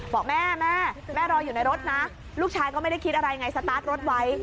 บอกแม่แม่รออยู่ในรถนะลูกชายก็ไม่ได้คิดอะไรไงสตาร์ทรถไว้